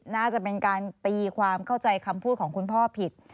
น่าจะเป็นการตีความเข้าใจคำพูดของคุณพ่อผิด